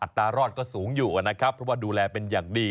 ตรารอดก็สูงอยู่นะครับเพราะว่าดูแลเป็นอย่างดี